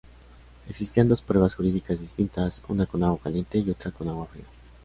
Existían dos pruebas "jurídicas" distintas, una con agua caliente y otra con agua fría.